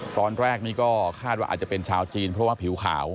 ตอนแรกนี่ก็คาดว่าอาจจะเป็นชาวจีนเพราะว่าผิวขาว